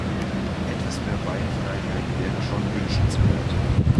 Etwas mehr Beinfreiheit wäre schon wünschenswert.